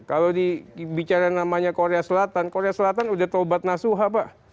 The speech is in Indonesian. kalau di bicara namanya korea selatan korea selatan udah tolbat nasuhah pak